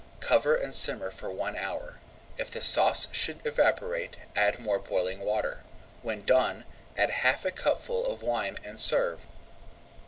Cover and simmer for one hour. If the sauce should evaporate, add more boiling water. When done, add half a cupful of wine and serve.